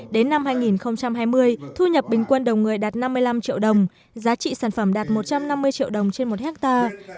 đến năm hai nghìn hai mươi thu nhập bình quân đầu người đạt năm mươi năm triệu đồng giá trị sản phẩm đạt một trăm năm mươi triệu đồng trên một hectare